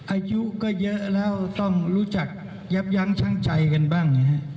อายุก็เยอะแล้วต้องรู้จักยับยั้งช่างใจกันบ้าง